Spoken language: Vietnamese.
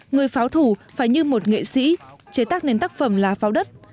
người pháo thủ phải như một nghệ sĩ chế tác nên tác phẩm là pháo đất